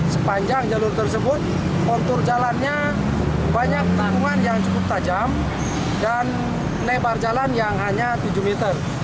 sepanjang jalur tersebut kontur jalannya banyak bangunan yang cukup tajam dan lebar jalan yang hanya tujuh meter